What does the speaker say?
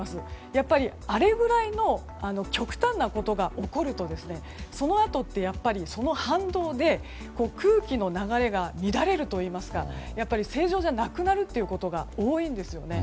やっぱり、あれぐらいの極端なことが起こるとそのあとってやっぱりその反動で空気の流れが乱れるといいますかやっぱり正常じゃなくなることが多いんですね。